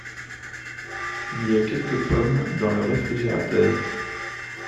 Il y a quelques pommes dans le réfrigérateur.